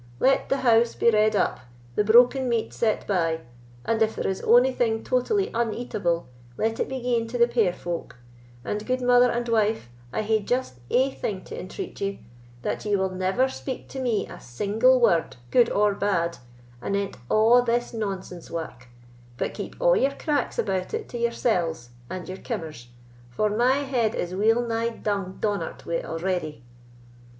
Let the house be redd up, the broken meat set bye, and if there is ony thing totally uneatable, let it be gien to the puir folk; and, gude mother and wife, I hae just ae thing to entreat ye, that ye will never speak to me a single word, good or bad, anent a' this nonsense wark, but keep a' your cracks about it to yoursells and your kimmers, for my head is weel nigh dung donnart wi' it already."